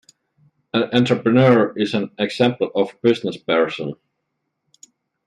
An entrepreneur is an example of a businessperson.